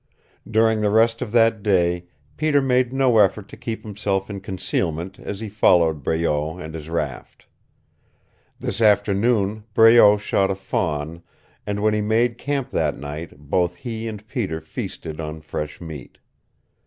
During the rest of that day Peter made no effort to keep himself in concealment as he followed Breault and his raft. This afternoon Breault shot a fawn, and when he made camp that night both he and Peter feasted on fresh meat.